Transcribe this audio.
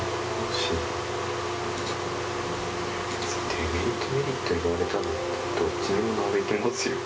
デメリット、メリット言われたら、どっちにもなびきますよ。